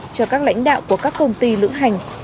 cho các lãnh đạo của các công ty lữ hành